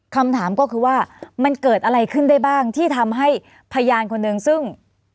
คำถามก็คือว่ามันเกิดอะไรขึ้นได้บ้างที่ทำให้พยานคนหนึ่งซึ่ง